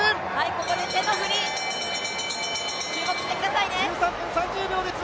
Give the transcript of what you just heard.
ここで手の振り、注目してくださいね。